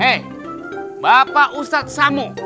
eh bapak ustadz samu